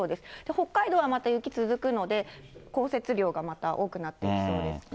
北海道はまた雪続くので、降雪量がまた多くなってきそうですね。